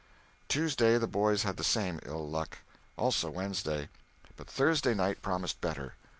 Tuesday the boys had the same ill luck. Also Wednesday. But Thursday night promised better.